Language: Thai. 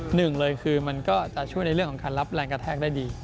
หนึ่งเลยคือมันก็จะช่วยในเรื่องของการรับแรงกระแทกได้ดี